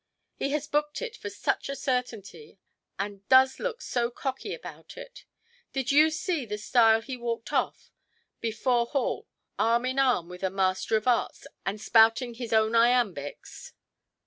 He has booked it for such a certainty, and does look so cocky about it. Did you see the style he walked off, before hall, arm in arm with a Master of Arts, and spouting his own iambics"?